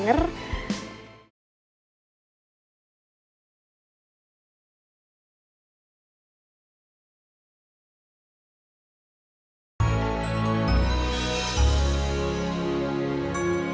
nama itu apa